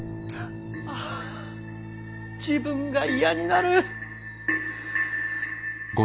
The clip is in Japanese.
ああ自分が嫌になる！